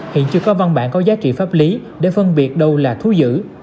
hiện chưa có văn bản có giá trị pháp lý để phân biệt đâu là thú giữ